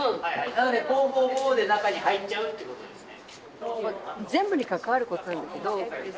なので「坊坊坊」で中に入っちゃうってことですね。